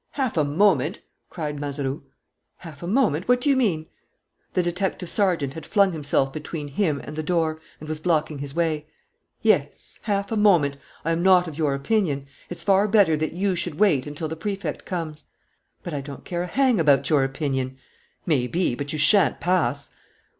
"Half a moment!" cried Mazeroux. "Half a moment?... What do you mean?" The detective sergeant had flung himself between him and the door and was blocking his way. "Yes, half a moment ... I am not of your opinion. It's far better that you should wait until the Prefect comes." "But I don't care a hang about your opinion!" "May be; but you shan't pass."